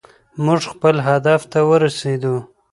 موږ خپل هدف ته ورسېدو.